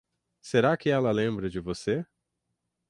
Será que ela lembra de você?